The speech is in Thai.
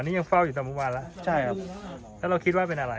อ๋อนี่ยังเฝ้าอยู่ตั้งประมาณวานแล้วใช่ครับแล้วเราคิดว่าเป็นอะไรอ่ะ